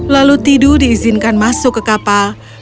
lalu tidu diizinkan masuk ke kapal